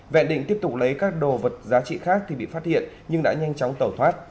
vẹn định tiếp tục lấy các đồ vật giá trị khác thì bị phát hiện nhưng đã nhanh chóng tẩu thoát